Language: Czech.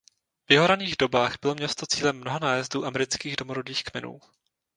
V jeho raných dobách bylo město cílem mnoha nájezdů amerických domorodých kmenů.